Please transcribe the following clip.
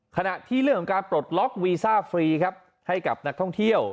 ขณะที่เรื่องของการปลดล็อกวีซ่าฟรีครับให้กับนักท่องเที่ยว